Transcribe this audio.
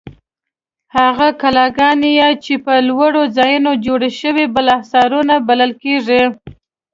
هغه کلاګانې چې په لوړو ځایونو جوړې شوې بالاحصارونه بلل کیږي.